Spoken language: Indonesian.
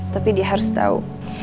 tapi dia harus tau